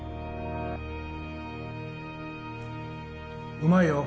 うまいよ。